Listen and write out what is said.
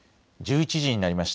１１時になりました。